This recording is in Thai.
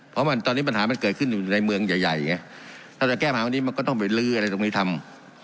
เพราะมันตอนนี้ปัญหามันเกิดขึ้นอยู่ในเมืองใหญ่ใหญ่ไงถ้าจะแก้ปัญหาวันนี้มันก็ต้องไปลื้ออะไรตรงนี้ทำ